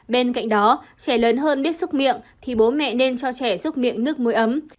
bên cạnh đó trẻ lớn hơn biết xúc miệng thì bố mẹ nên cho trẻ giúp miệng nước mũi ấm